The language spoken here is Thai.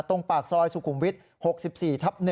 ตรงปากซอยสุขุมวิทย์๖๔ทับ๑